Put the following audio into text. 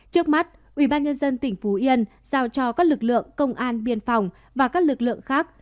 trước mắt ubnd tỉnh phú yên giao cho các lực lượng công an biên phòng và các lực lượng khác